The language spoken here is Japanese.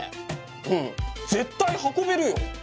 うん絶対運べるよ！